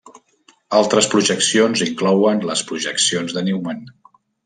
Altres projeccions inclouen les projeccions de Newman.